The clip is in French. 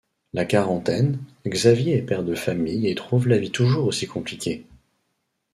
La quarantaine, Xavier est père de famille et trouve la vie toujours aussi compliquée.